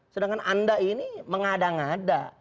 sedangkan anda ini mengada ngada